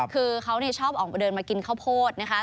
คือเขาชอบออกมาเดินมากินข้าวโพดนะคะ